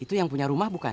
itu yang punya rumah bukan